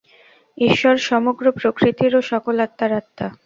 ঈশ্বর সমগ্র প্রকৃতির ও সকল আত্মার আত্মা।